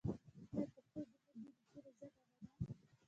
آیا پښتو زموږ د نیکونو ژبه نه ده؟